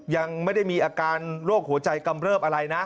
ยังไม่ได้มีอาการโรคหัวใจกำเริบอะไรนะ